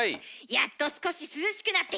やっと少し涼しくなってきたね。